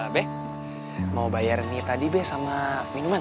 be mau bayar ini tadi be sama minuman